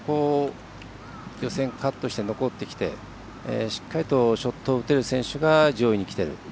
予選カットして残ってきてしっかりとショットを打てる選手が上位に残ってきている。